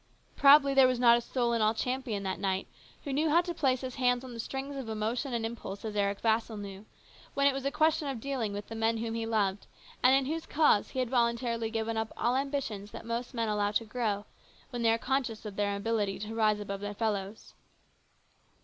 Probably there was not a soul in all Champion that night who knew how to place his hands on the strings of emotion and impulse as Eric Vassall knew, when it was a question of dealing with the men whom he loved and in whose cause he had voluntarily given up all ambitions that most men allow to grow when they are conscious of their ability to rise above their fellows.